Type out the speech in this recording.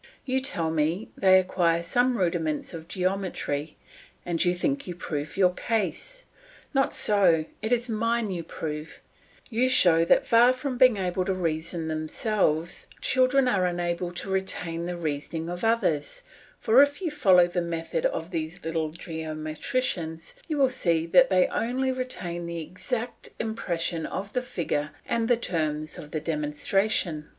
You tell me they acquire some rudiments of geometry, and you think you prove your case; not so, it is mine you prove; you show that far from being able to reason themselves, children are unable to retain the reasoning of others; for if you follow the method of these little geometricians you will see they only retain the exact impression of the figure and the terms of the demonstration.